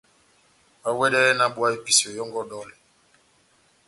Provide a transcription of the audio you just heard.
Oháwɛdɛhɛ nahábuwa episeyo yɔngɔ ó dɔlɛ !